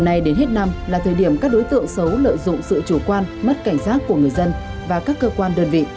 hôm nay đến hết năm là thời điểm các đối tượng xấu lợi dụng sự chủ quan mất cảnh giác của người dân và các cơ quan đơn vị